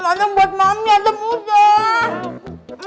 mana buat mami ada muda